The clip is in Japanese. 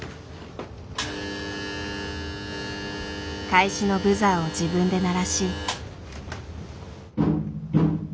開始のブザーを自分で鳴らし。